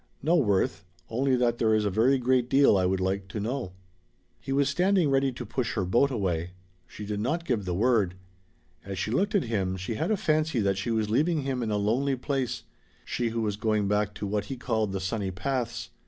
"No, Worth. Only that there is a very great deal I would like to know." He was standing ready to push her boat away. She did not give the word. As she looked at him she had a fancy that she was leaving him in a lonely place she who was going back to what he called the sunny paths.